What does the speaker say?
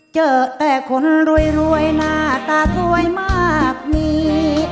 เจอแต่คนรวยหน้าตาสวยมากมี